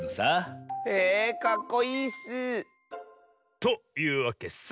へえかっこいいッス！というわけさ。